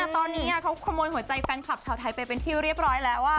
แต่ตอนนี้เขาขโมยหัวใจแฟนคลับชาวไทยไปเป็นที่เรียบร้อยแล้ว